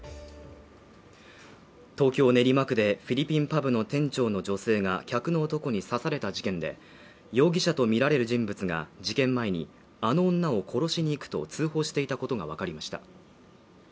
東京・練馬区でフィリピンパブの店長の女性が客の男に刺された事件で、容疑者とみられる人物が事件前にあの女を殺しに行くと通報していたことがわかりました。